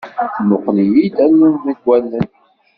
Tmuqel-iyi-d allen deg allen.